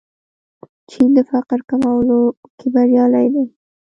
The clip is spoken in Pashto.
چین د فقر کمولو کې بریالی دی.